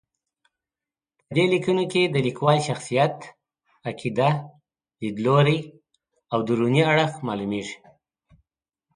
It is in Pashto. په دې لیکنو کې د لیکوال شخصیت، عقیده، لید لوری او دروني اړخ معلومېږي.